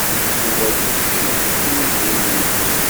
Yuba yuki i umihi-nni.